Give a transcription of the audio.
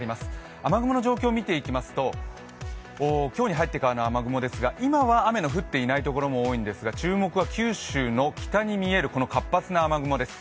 雨雲の状況を見ていきますと今日に入ってからの雨雲ですが今は雨の降っていないところも多いんですが注目は九州の北に見える活発な雲です。